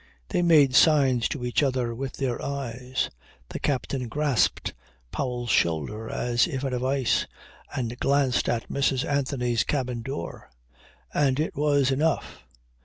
They made signs to each other with their eyes. The captain grasped Powell's shoulder as if in a vice and glanced at Mrs. Anthony's cabin door, and it was enough.